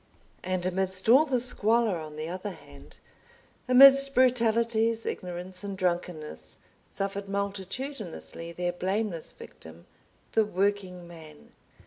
And amidst all the squalor on the other hand, amidst brutalities, ignorance, and drunkenness, suffered multitudinously their blameless victim, the Working Man.